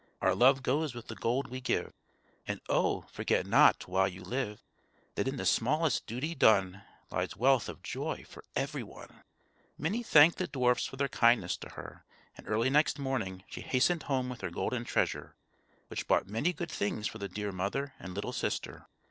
Our love goes with the gold we give, And oh! forget not while you live, That in the smallest duty done Lies wealth of joy for every one_." Minnie thanked the dwarfs for their kindness to her; and early next morning she hastened home with her golden treasure, which bought many good things for the dear mother and little sister.